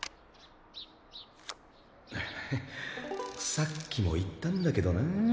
さっきも言ったんだけどな。